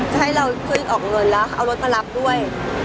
ให้เราช่วยออกเงินแล้วเอารถมารับด้วย